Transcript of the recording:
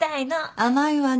甘いわね。